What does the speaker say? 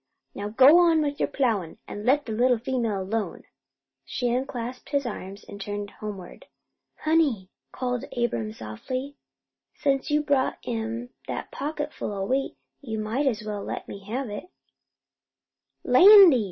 Now you go on with your plowin' an' let that little female alone." She unclasped his arms and turned homeward. "Honey," called Abram softly, "since you brought 'em that pocketful o' wheat, you might as well let me have it." "Landy!"